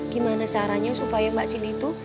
gimana caranya supaya mbak cindy tuh